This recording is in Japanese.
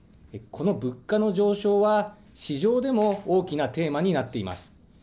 この物価の上昇は、市場でも大きなテーマになっています。